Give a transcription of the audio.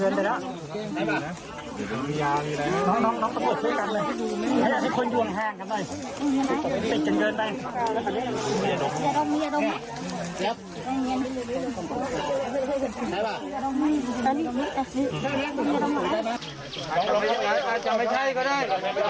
น้องน้องน้องต้องกดซุ้ยกันเลยให้คนยวงแห้งกันหน่อย